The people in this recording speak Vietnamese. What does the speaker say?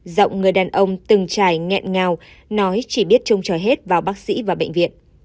giọng người đàn ông từng trải nghẹn ngào nói chỉ biết trông trò hết vào bác sĩ và bệnh viện